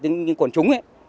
những quần chúng